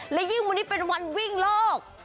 และยิ่งวันนี้เป็นวันวิ่งโลก